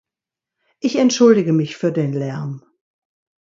Ich entschuldige mich für den Lärm.